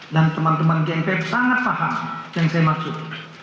dan teman teman gmpf sangat paham yang saya maksud